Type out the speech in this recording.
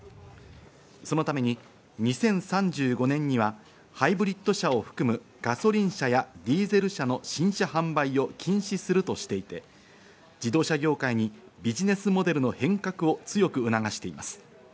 そのために２０３５年にはハイブリッド車を含むガソリン車やディーゼル車の新車販売を禁止するとしていて、自動車業界にビジネスモデルの変革を強く促しています。